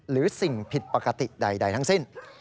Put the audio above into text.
หรือสิ่งผิดปกติใดทั้งสิ้น